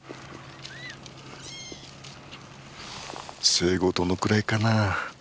生後どのくらいかなあ。